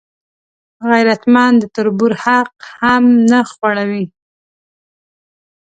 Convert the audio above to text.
غیرتمند د تربور حق هم نه خوړوي